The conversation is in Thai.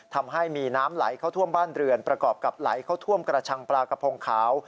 ทำให้มีน้ำไหลเข้าท่วมบ้านเรือนประกอบกับไหลเข้าท่วมกระชังปลากระพงขาว